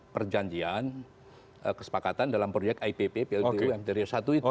perjanjian kesepakatan dalam proyek ipp dari satu itu